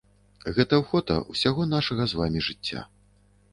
Гэта фота ўсяго нашага з вамі жыцця.